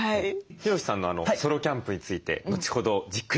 ヒロシさんのソロキャンプについて後ほどじっくりと伺ってまいります。